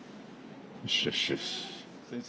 よしよしよし。